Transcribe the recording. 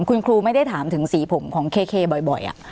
คุณครูไม่ได้ถามถึงสีผมของเคบ่อย